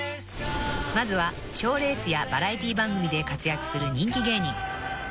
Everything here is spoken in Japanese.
［まずは賞レースやバラエティー番組で活躍する人気芸人］